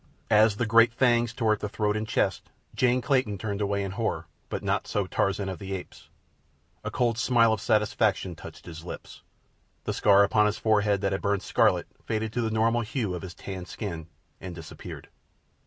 As the great fangs tore at the throat and chest, Jane Clayton turned away in horror; but not so Tarzan of the Apes. A cold smile of satisfaction touched his lips. The scar upon his forehead that had burned scarlet faded to the normal hue of his tanned skin and disappeared.